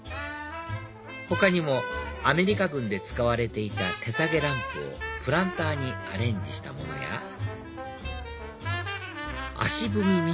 他にもアメリカ軍で使われていた手提げランプをプランターにアレンジしたものや足踏み